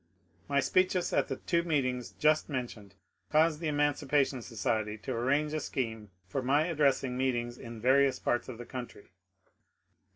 My speeches at the two meetings just mentioned caused the Emancipation Society to arrange a scheme for my addressing meetings in various parts of the country.